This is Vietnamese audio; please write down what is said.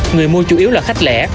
người mua chủ yếu là khách lẻ